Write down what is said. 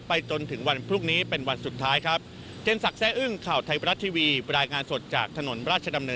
จนถึงวันพรุ่งนี้เป็นวันสุดท้ายครับ